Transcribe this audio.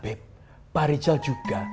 beb pak rijal juga